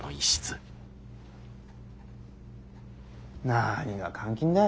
何が監禁だ。